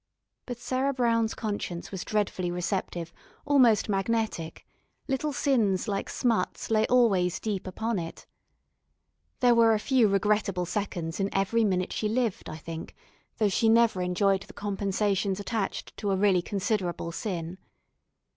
But Sarah Brown's conscience was dreadfully receptive, almost magnetic; little sins like smuts lay always deep upon it. There were a few regrettable seconds in every minute she lived, I think, though she never enjoyed the compensations attached to a really considerable sin.